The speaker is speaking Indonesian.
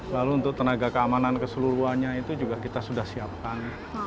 lalu untuk tenaga keamanan keseluruhannya itu juga kita sudah siapkan